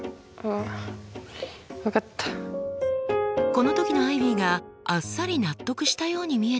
この時のアイビーがあっさり納得したように見えたのです。